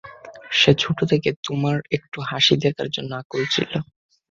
সে ছোট থেকে, তোমার একটু হাসি দেখার জন্য আকুল ছিলো।